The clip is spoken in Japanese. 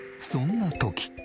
そんな時。